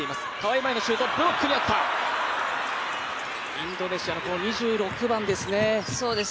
インドネシアの２６番ですね。